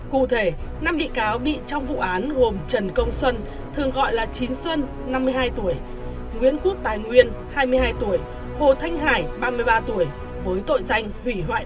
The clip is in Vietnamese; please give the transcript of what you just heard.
cụ thể năm bị cáo bị trong vụ án gồm trần công xuân nguyễn quốc tài nguyên hồ thanh hải